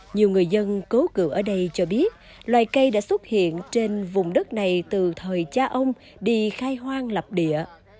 nhiều người dân cố cửa ở đây cho biết loài cây đã xuất hiện trên vùng đất này từ thời cha ông đi khai hoang lập địa